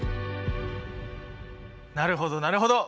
なるほどなるほど！